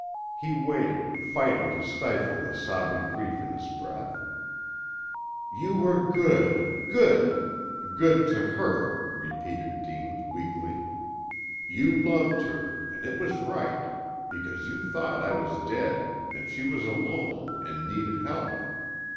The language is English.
He waited, fighting to stifle the sobbing grief in his breath. "You were good good good to her," repeated Deane, weakly, "You loved her an' it was right because you thought I was dead an' she was alone an' needed help.